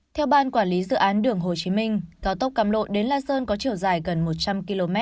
theo ban quản lý dự án đường hồ chí minh cao tốc cam lộ đến la sơn có chiều dài gần một trăm linh km